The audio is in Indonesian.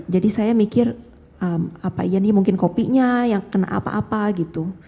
jadi saya mikir apa ini mungkin kopinya yang kena apa apa gitu